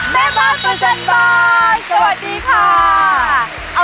แม่บ้านประจันบานสวัสดีค่ะ